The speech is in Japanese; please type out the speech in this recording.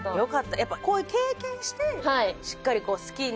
やっぱこういう経験してしっかり好きになってね。